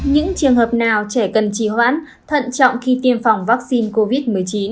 những trường hợp nào trẻ cần trì hoãn thận trọng khi tiêm phòng vaccine covid một mươi chín